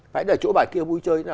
phải ở chỗ bài kia vui chơi